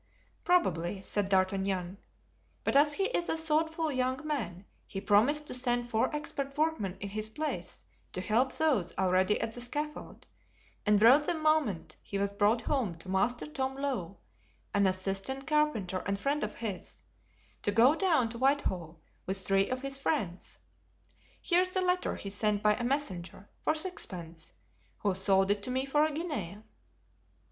"Probably," said D'Artagnan, "but as he is a thoughtful young man he promised to send four expert workmen in his place to help those already at the scaffold, and wrote the moment he was brought home to Master Tom Lowe, an assistant carpenter and friend of his, to go down to Whitehall, with three of his friends. Here's the letter he sent by a messenger, for sixpence, who sold it to me for a guinea."